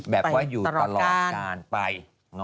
แบบว่าอยู่ตลอดการไป